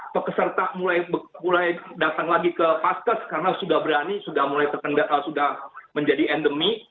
pekerja mulai datang lagi ke paskes karena sudah berani sudah mulai terkendal sudah menjadi endemi